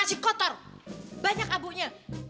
si kotor banyak abunya